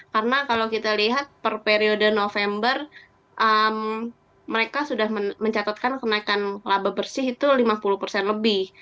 karena kalau kita lihat per periode november mereka sudah mencatatkan kenaikan laba bersih itu lima puluh lebih